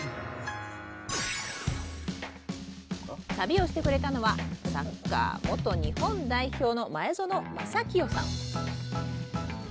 旅をしてくれたのはサッカー元日本代表の前園真聖さん